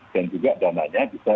dan juga dananya bisa